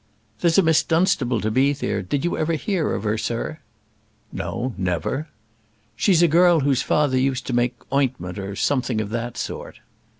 "There's a Miss Dunstable to be there; did you ever hear of her, sir?" "No, never." "She's a girl whose father used to make ointment, or something of that sort."